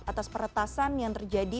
atas peretasan yang terjadi